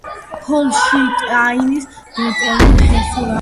ჰოლშტაინ-გოტორპის ჰერცოგი და ამავე სახელწოდების დინასტიური ხაზის დამაარსებელი.